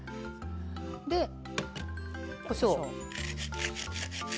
で、こしょう。